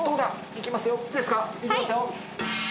行きますよ。